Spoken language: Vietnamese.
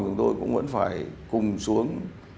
chúng tôi cũng vẫn phải cùng xuống